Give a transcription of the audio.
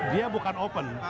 dia bukan open